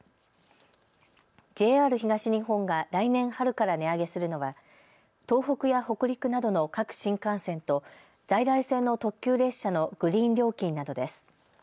ＪＲ東日本が来年春から値上げするのは東北や北陸などの各新幹線と在来線の特急列車のグリーン料金などです。